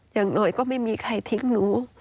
อย่างหน่อยก็ไม่มีใครทิ้งหนู